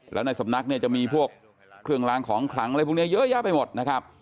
แล้วในสำนักเนี่ยจะมีพวกเครื่องล้างของขลังอะไรพวกนี้เยอะแยะไปหมดนะครับ